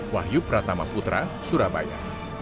wahyu pratama putra surabaya